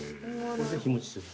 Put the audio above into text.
それで日持ちする。